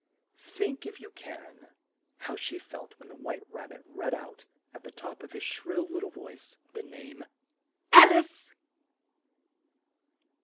Think, if you can, how she felt when the White Rab bit read out, at the top of his shrill lit tle voice, the name "Al ice!"